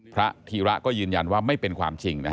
พระธีระก็ยืนยันว่าไม่เป็นความจริงนะฮะ